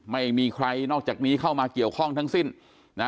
ไม่มีใครนอกจากนี้เข้ามาเกี่ยวข้องทั้งสิ้นนะ